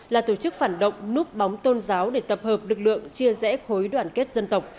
là tổ chức phản động núp bóng tôn giáo để tập hợp lực lượng chia rẽ khối đoàn kết dân tộc